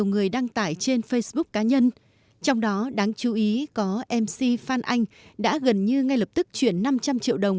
người đăng tải trên facebook cá nhân trong đó đáng chú ý có mc phan anh đã gần như ngay lập tức chuyển năm trăm linh triệu đồng